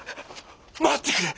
待ってくれ！